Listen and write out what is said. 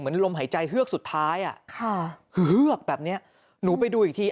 เหมือนลมหายใจเหลือกสุดท้ายอ่ะค่ะแบบนี้หนูไปดูอีกที